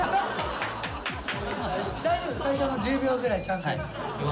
大丈夫最初の１０秒ぐらいちゃんとうつってる。